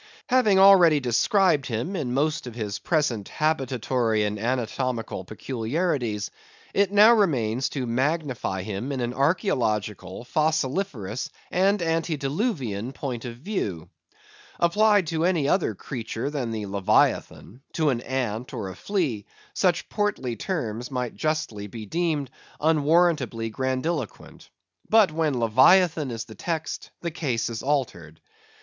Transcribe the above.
Having already described him in most of his present habitatory and anatomical peculiarities, it now remains to magnify him in an archæological, fossiliferous, and antediluvian point of view. Applied to any other creature than the Leviathan—to an ant or a flea—such portly terms might justly be deemed unwarrantably grandiloquent. But when Leviathan is the text, the case is altered.